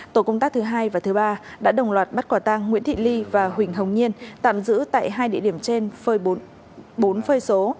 tổ công tác thứ hai và thứ ba đã đồng loạt bắt quả tang nguyễn thị ly và huỳnh hồng nhiên tạm giữ tại hai địa điểm trên phơi bốn phơi số